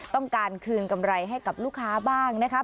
ต้องการคืนกำไรให้กับลูกค้าบ้างนะคะ